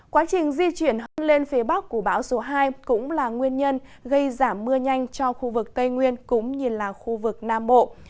quá trình di chuyển hơn lên phía bắc của bão số hai cũng là nguyên nhân gây giảm mưa nhanh cho khu vực tây nguyên cũng như là khu vực nam bộ